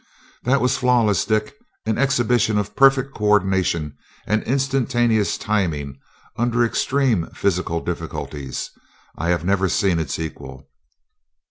"That was flawless, Dick. As an exhibition of perfect co ordination and instantaneous timing under extreme physical difficulties, I have never seen its equal."